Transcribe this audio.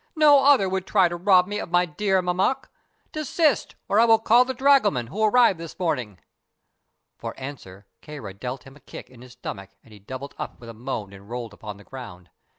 "No other would try to rob me of my dear Mammek. Desist, or I will call the dragoman, who arrived this morning!" For answer Kāra dealt him a kick in his stomach and he doubled up with a moan and rolled upon the ground.